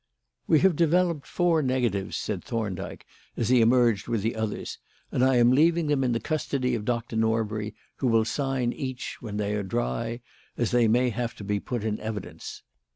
"We have developed four negatives," said Thorndyke, as he emerged with the others, "and I am leaving them in the custody of Doctor Norbury, who will sign each when they are dry, as they may have to be put in evidence.